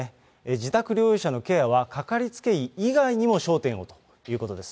自宅療養者のケアは掛かりつけ医以外にも焦点をということです。